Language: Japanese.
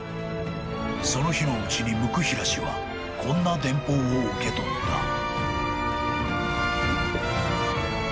［その日のうちに椋平氏はこんな電報を受け取った］